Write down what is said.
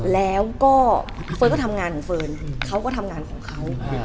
แล้วก็เฟิร์นก็ทำงานของเฟิร์นเขาก็ทำงานของเขา